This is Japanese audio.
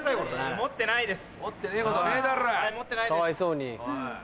持ってないです。